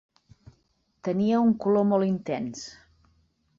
Tenia un color molt intens.